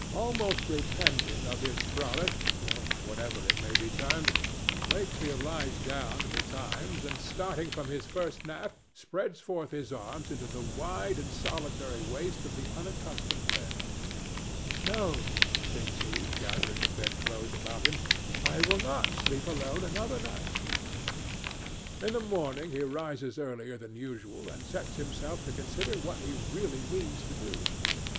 Almost repenting of his frolic, or whatever it may be termed, Wakefield lies down betimes, and, starting from his first nap, spreads forth his arms into the wide and solitary waste of the unaccustomed bed, "No," thinks he, gathering the bedclothes about him; "I will not sleep alone another night." In the morning he rises earlier than usual and sets himself to consider what he really means to do.